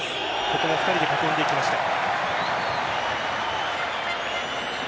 ここも２人で囲んでいきました。